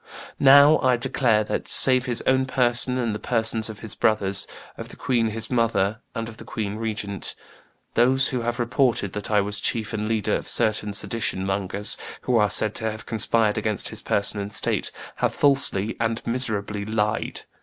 Now, I declare that, save his own person and the persons of his brothers, of the queen his mother and of the queen regnant, those who have reported that I was chief and leader of certain sedition mongers, who are said to have conspired against his person and state, have falsely and miserably lied.